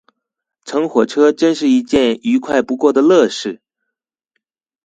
乘火車真是一件愉快不過的樂事！